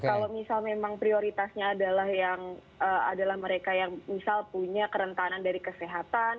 kalau misal memang prioritasnya adalah yang adalah mereka yang misal punya kerentanan dari kesehatan